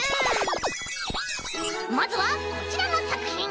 まずはこちらのさくひん！